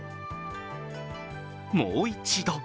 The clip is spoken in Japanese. もう一度。